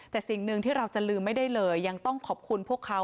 แต่สิ่งหนึ่งที่เราจะลืมไม่ได้เลยยังต้องขอบคุณพวกเขา